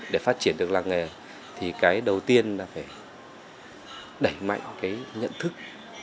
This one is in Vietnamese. để phát triển được làng nghề thì cái đầu tiên là phải đẩy mạnh cái nhận thức